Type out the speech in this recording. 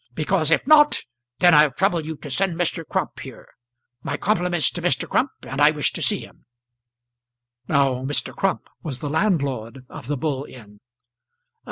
Because if not, then I'll trouble you to send Mr. Crump here. My compliments to Mr. Crump, and I wish to see him." Now Mr. Crump was the landlord of the Bull Inn.